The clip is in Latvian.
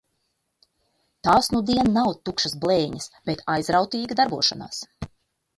Tās nudien nav tukšas blēņas, bet aizrautīga darbošanās.